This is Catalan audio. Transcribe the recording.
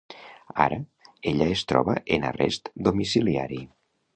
Ara, ella es troba en arrest domiciliari.